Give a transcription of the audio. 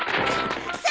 さ